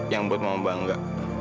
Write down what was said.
yang buat mama bangga